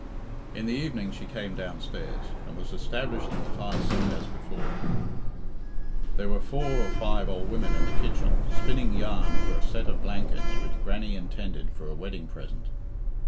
In the evening she came downstairs, and was established in the fire seat as before. There were four or five old women in the kitchen spinning yarn for a set of blankets which Grannie intended for a wedding present.